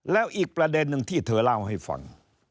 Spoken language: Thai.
แล้วอีกประเด็นหนึ่งที่เธอเล่าให้ฟัง